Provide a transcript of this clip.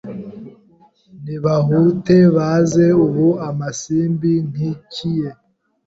Nibahute baze ubu Amasimbi nkikiye